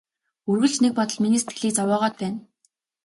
Үргэлж нэг бодол миний сэтгэлийг зовоогоод байна.